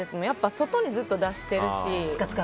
外にずっと出してるし。